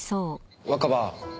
若葉